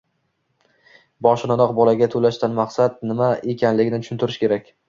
• Boshidanoq bolaga to‘lashdan maqsad nima ekanligini tushuntirish kerak.